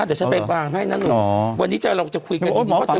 เดี๋ยวฉันไปวางให้นั่งอ๋อวันนี้จะเราจะคุยกัน